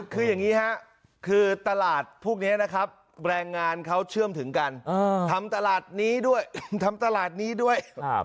คืออย่างนี้ฮะคือตลาดพวกนี้นะครับแรงงานเขาเชื่อมถึงกันทำตลาดนี้ด้วยทำตลาดนี้ด้วย